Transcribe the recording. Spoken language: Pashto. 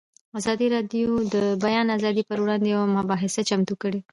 ازادي راډیو د د بیان آزادي پر وړاندې یوه مباحثه چمتو کړې.